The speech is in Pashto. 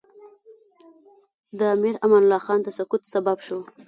د امیر امان الله خان د سقوط سبب شو.